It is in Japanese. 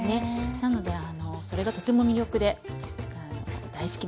なのでそれがとても魅力で大好きな国です。